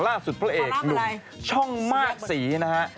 ล่าสุดเพราะเอกหนุ่มช่องมากสีนะฮะ